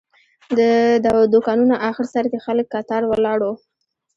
د دوکانونو آخر سر کې خلک کتار ولاړ وو.